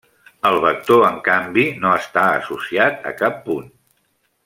El vector en canvi no està associat a cap punt.